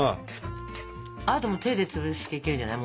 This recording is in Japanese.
あともう手で潰していけるんじゃない。